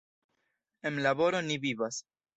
En laboro ni vivas.